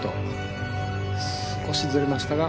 少しずれましたが。